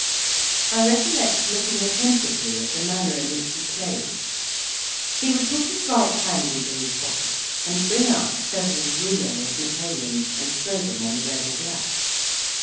I recollect looking attentively at the manner in which he played; he would put his right hand into his pocket, and bring out several rouleaus of Napoleons, and throw them on the red or black.